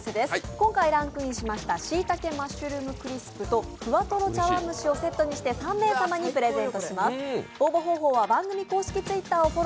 今回ランクインしましたシイタケマッシュルームクリスプとふわとろ茶碗蒸しをセットにして３名様にプレゼントします。